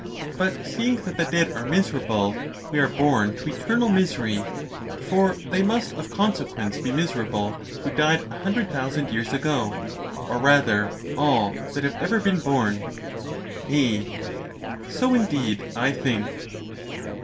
But seeing that the dead are miserable, we are born to eternal misery, for they must of consequence be miserable who died a hundred thousand years ago; or rather, all that have ever been born. A. So, indeed, I think.